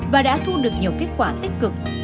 và đã thu được nhiều kết quả tích cực